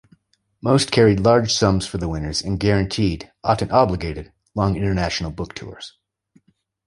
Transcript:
Most carried large sums for the winners and guaranteed-often obligated-long international book tours.